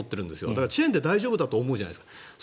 だから、チェーンで大丈夫だと思うじゃないですか。